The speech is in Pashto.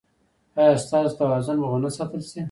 ایا ستاسو توازن به و نه ساتل شي؟